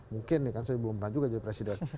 mungkin nih kan saya belum pernah juga jadi presiden